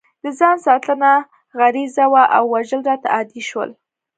د ځان ساتنه غریزه وه او وژل راته عادي شول